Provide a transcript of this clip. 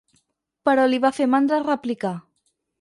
Però li va fer mandra replicar.